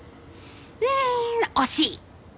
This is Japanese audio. うん惜しい。